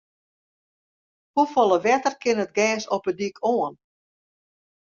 Hoefolle wetter kin it gers op de dyk oan?